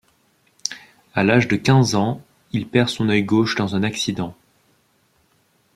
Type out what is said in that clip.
À l'âge de quinze ans, il perd son œil gauche dans un accident.